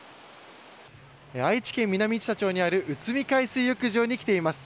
愛知県南知多町にある内海海水浴場に来ています。